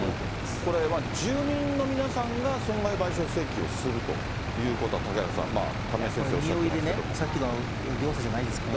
これは、住民の皆さんが損害賠償請求をするということは、嵩原さん、亀井先生おっしゃってますけど。